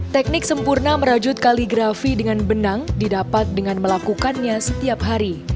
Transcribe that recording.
teknik sempurna merajut kaligrafi dengan benang didapat dengan melakukannya setiap hari